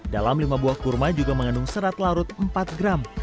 dalam lima buah kurma juga mengandung serat larut empat gram